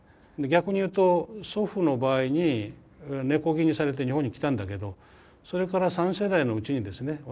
逆に言うと祖父の場合に根こぎにされて日本に来たんだけどそれから３世代のうちにですね